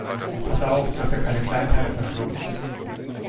Pass auf, dass er keine Kleinteile verschluckt.